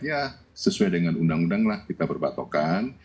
ya sesuai dengan undang undang lah kita berbatokan